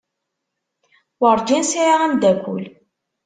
Werǧin sɛiɣ ameddakel.